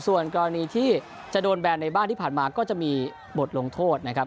ส่วนกรณีที่จะโดนแบนในบ้านที่ผ่านมาก็จะมีบทลงโทษนะครับ